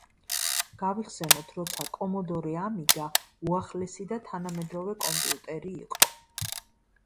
გავიხსენოთ, როცა კომოდორე ამიგა უახლესი და თანამედროვე კომპიუტერი იყო.